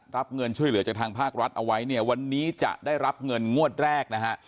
รับเงินช่วยเหลือจากทางภาครัฐเอาไว้เนี่ยวันนี้จะได้รับเงินงวดแรกนะฮะ